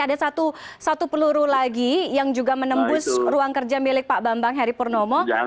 ada satu peluru lagi yang juga menembus ruang kerja milik pak bambang heri purnomo